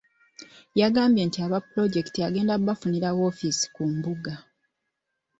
Yagambye nti aba pulojekiti agenda kubafunira woofiisi ku mbuga.